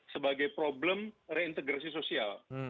sebagai problem reintegrasi sosial